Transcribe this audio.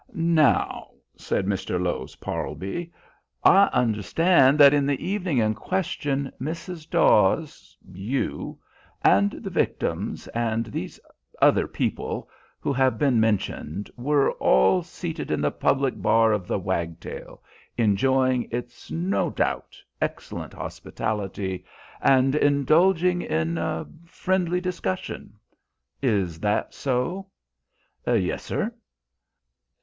"Now," said Mr. Lowes Parlby, "I understand that on the evening in question, Mrs. Dawes, you, and the victims, and these other people who have been mentioned, were all seated in the public bar of the Wagtail, enjoying its no doubt excellent hospitality and indulging in a friendly discussion. Is that so?" "Yes, sir."